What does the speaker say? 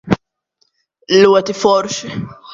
Ļoti forši.